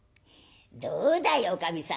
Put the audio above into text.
どうだいおかみさん。